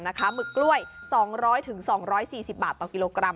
หมึกกล้วย๒๐๐๒๔๐บาทต่อกิโลกรัม